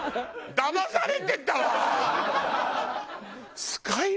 だまされてたわ！